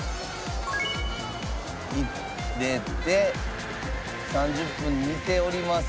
入れて３０分煮ております。